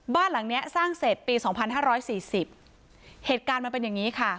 บ้านหลังเนี้ยสร้างเสร็จปีสองพันห้าร้อยสี่สิบเหตุการณ์มันเป็นอย่างนี้ค่ะ